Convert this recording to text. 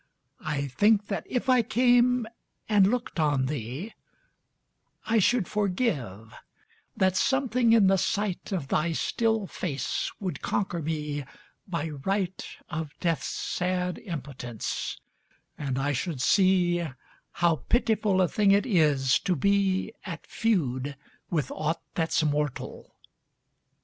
I think that if I came and looked on thee, I should forgive ; that something in the sight Of thy still face would conquer me, by right Of death's sad impotence, and I should see How pitiful a thing it is to be At feud with aught that 's mortal.